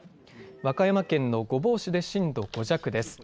和歌山県の御坊市で震度５弱です。